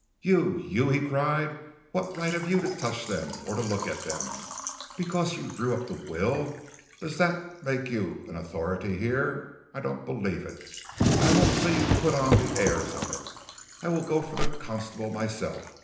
"'You you !' he cried. 'What right have you to touch them or to look at them? Because you drew up the will, does that make you an authority here? I don't believe it, and I won't see you put on the airs of it. I will go for the constable myself.